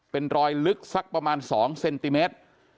เป็นรอยลึกสักประมาณ๒เซนติเมตร